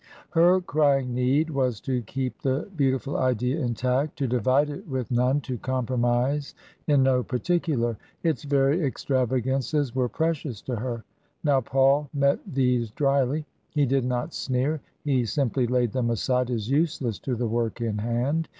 Her crying need was to keep the beautiful idea intact, to divide it with none, to compromise in no particular. Its very extrava gances were precious to her. Now, Paul met these dryly. He did not sneer ; he simply laid them aside as useless to the work in hand.